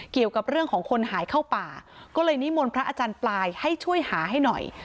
เกี่ยวกับเรื่องของคนหายเข้าป่าก็เลยนิมนต์พระอาจารย์ปลายให้ช่วยหาให้หน่อย